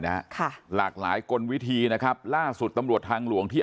ค่ะหลากหลายกลวิธีนะครับล่าสุดตำรวจทางหลวงที่